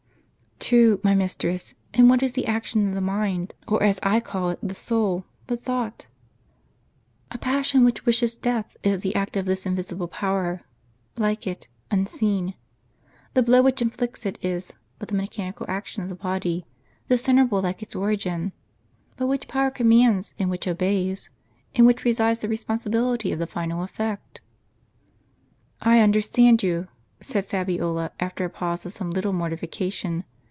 "True, my mistress; and what is the action of the mind, or as I call it the soul, but thought ? A passion which tuishes death, is the action of this invisible power, like it, unseen ; the blow which inflicts it is but the mechanical action of the body, discernible like its origin. But which power commands, and which obeys ? In which resides the responsibility of the final effect ?" "I understand you," said Fabiola, after a pause of some little mortification.